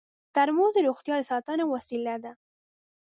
ترموز د روغتیا د ساتنې وسیله ده.